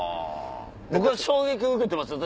僕は衝撃を受けてますよ。